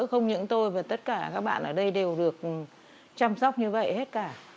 không những tôi và tất cả các bạn ở đây đều được chăm sóc như vậy hết cả